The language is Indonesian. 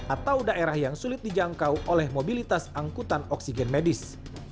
atau daerah yang sulit dijangkau oleh mobilitas angkutan oksigen medis